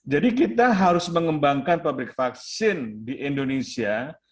jadi kita harus mengembangkan pabrik vaksin di indonesia